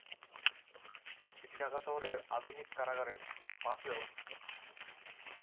এটি ঢাকা শহরের আধুনিক কারাগারের পাশে অবস্থিত।